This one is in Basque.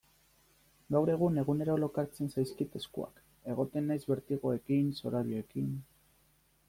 Gaur egun egunero lokartzen zaizkit eskuak, egoten naiz bertigoekin, zorabioekin...